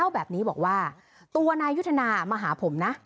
แบบนี้บอกว่าตัวนายยุทธนามาหาผมนะ